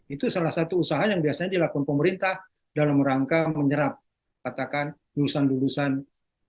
itu salah satu usaha yang biasanya dilakukan pemerintah dalam rangka menyerap katakan lulusan lulusan